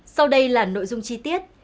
sau đây là nội dung chi tiết